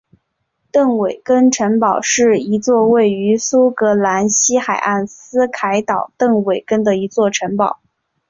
邓韦根城堡是一座位于苏格兰西海岸斯凯岛邓韦根的一座城堡。